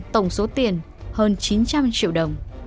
tổng số tiền hơn chín trăm linh triệu đồng